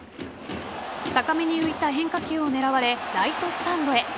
高めに浮いた変化球を狙われライトスタンドへ。